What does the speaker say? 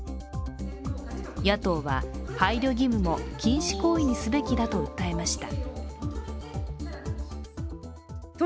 野党は配慮義務も禁止行為にすべきだと訴えました。